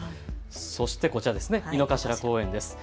そしてこちら、井の頭公園です。